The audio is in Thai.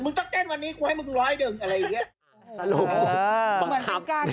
มึงต้องเต้นวันนี้ต้องให้มึง๑๐๐เดิงอะไรอย่างนี้